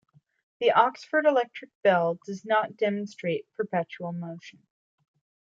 The Oxford Electric Bell does not demonstrate perpetual motion.